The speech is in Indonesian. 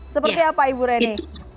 seperti apa ibu reni